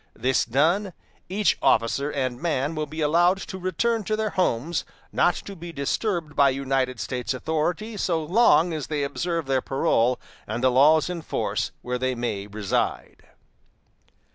This done, each officer and man will be allowed to return to their homes, not to be disturbed by United States authority so long as they observe their parole and the laws in force where they may reside."